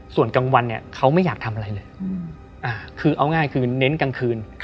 ส่วนกลางวันเนี่ยเขาไม่อยากทำอะไรเลยคือเอาง่ายคือเน้นกลางคืน